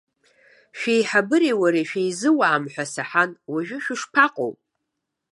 Шәеиҳабыреи уареи шәеизуаам ҳәа саҳан, уажәы шәышԥаҟоу?